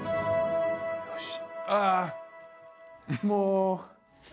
よし。